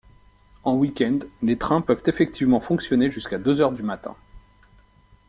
En weekend les trains peuvent effectivement fonctionner jusqu'à deux heures du matin.